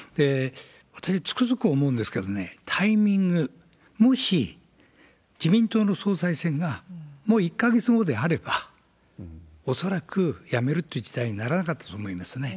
私はつくづく思うんですけどね、タイミング、もし自民党の総裁選がもう１か月後であれば、恐らく辞めるっていう事態にならなかったと思いますね。